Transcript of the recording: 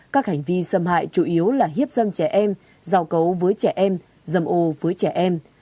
các hành vi xâm hại chủ yếu là hiếp dâm trẻ em giao cấu với trẻ em dầm ô với trẻ em